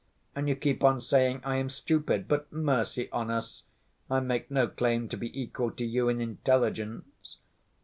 And you keep on saying I am stupid, but, mercy on us! I make no claim to be equal to you in intelligence.